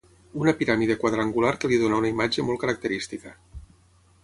una piràmide quadrangular que li dona una imatge molt característica